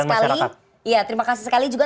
sekali ya terima kasih sekali juga